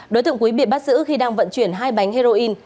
đối tượng quý bị bắt giữ khi đang vận chuyển hai bánh heroin